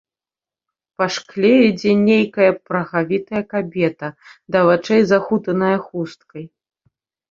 Па шкле ідзе нейкая прагавітая кабета, да вачэй захутаная хусткай.